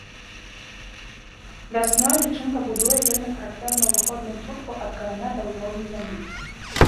Вясной лічынка будуе вельмі характэрную выходную трубку ад кораня да ўзроўню зямлі.